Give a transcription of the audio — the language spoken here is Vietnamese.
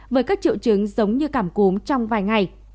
với các triệu chứng giống như cảm cúm trong vài ngày